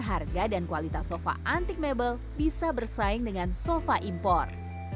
harga dan kualitas sofa antik mebel bisa bersaing dengan sofa impor